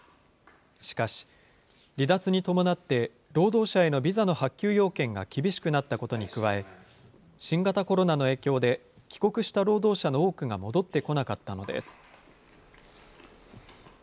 しかし、離脱に伴って労働者へのビザの発給要件が厳しくなったことに加え、新型コロナの影響で、帰国した労働者の多くが戻ってこなかったのです。